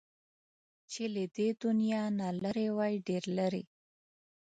چې له دې دنيا نه لرې وای، ډېر لرې